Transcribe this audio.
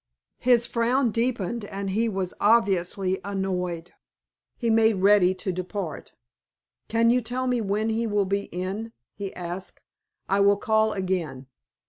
His frown deepened, and he was obviously annoyed. He made ready to depart. "Can you tell me when he will be in?" he asked. "I will call again."